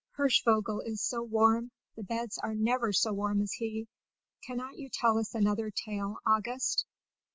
"Hirschvogel is so warm, the beds are never so warm as he. Cannot you tell us another tale, August?"